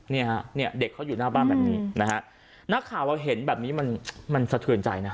เนี่ยฮะเนี่ยเด็กเขาอยู่หน้าบ้านแบบนี้นะฮะนักข่าวเราเห็นแบบนี้มันมันสะเทือนใจนะฮะ